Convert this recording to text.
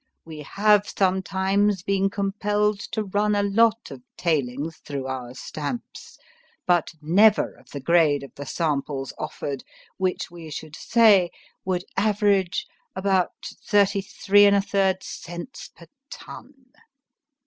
W T e have some times been compelled to run a lot of tailings through our stamps, but never of the grade of the samples offered, which, we should say, would average about 33 J cents per ton.